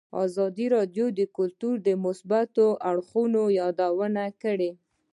ازادي راډیو د کلتور د مثبتو اړخونو یادونه کړې.